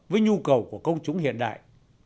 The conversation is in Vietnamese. với nhu cầu của công chúng hiện đại